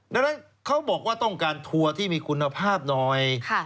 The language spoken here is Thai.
ดังนั้นเขาบอกว่าต้องการทัวร์ที่มีคุณภาพหน่อย